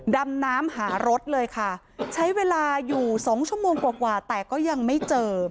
ดำน้ำหารถเลยค่ะใช้เวลาอยู่สองชั่วโมงกว่ากว่าแต่ก็ยังไม่เจอ